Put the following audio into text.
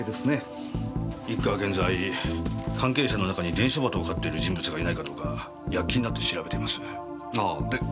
一課は現在関係者の中に伝書鳩を飼っている人物がいないかどうか躍起になって調べています。